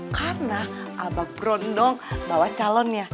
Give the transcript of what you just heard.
karena abang berondong bawa calonnya